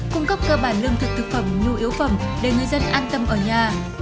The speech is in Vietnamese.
cung cấp cơ bản lương thực thực phẩm nhu yếu phẩm để người dân an tâm ở nhà